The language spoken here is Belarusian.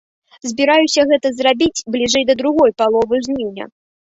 Збіраюся гэта зрабіць бліжэй да другой паловы жніўня.